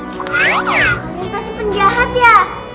jangan kasih penjahat ya